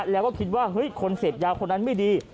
แล้วก็คิดว่าเฮ้ยคนเสพยาคนนั้นไม่ดี